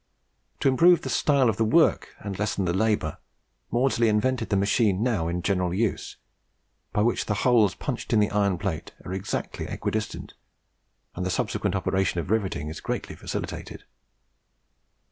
To improve the style of the work and lessen the labour, Maudslay invented the machine now in general use, by which the holes punched in the iron plate are exactly equidistant, and the subsequent operation of riveting is greatly facilitated.